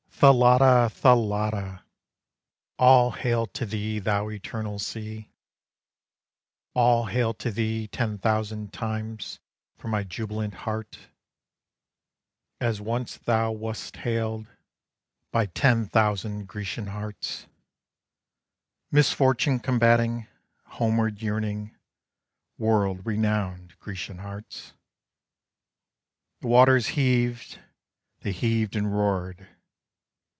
Thalatta! Thalatta! All hail to thee, thou Eternal sea! All hail to thee ten thousand times From my jubilant heart, As once thou wast hailed By ten thousand Grecian hearts, Misfortune combating, homeward yearning, World renowned Grecian hearts. The waters heaved, They heaved and roared.